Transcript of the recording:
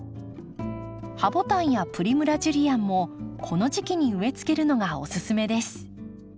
ハボタンやプリムラ・ジュリアンもこの時期に植えつけるのがおすすめです。